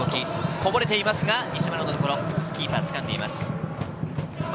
こぼれていますが、キーパー、つかんでいます。